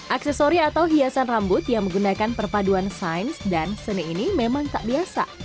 aksesori atau hiasan rambut yang menggunakan perpaduan sains dan seni ini memang tak biasa